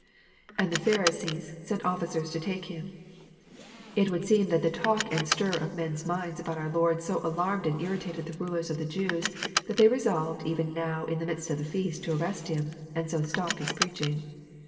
lAnd the Pharisees.., senTqfflcers to take Mm,"] It would seem that the talk and stir of men*s minds about our Lord so alarmed and Irritated the rulers of ^the Jews, that they resolved even now in the midst of the feast to arrest Him, and so stop His preaching.